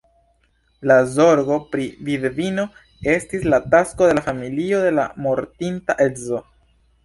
La zorgo pri vidvino estis la tasko de la familio de la mortinta edzo.